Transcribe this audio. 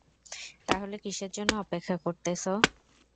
তাহলে কিসের জন্য অপেক্ষা করতেছো?